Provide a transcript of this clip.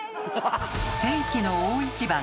世紀の大一番。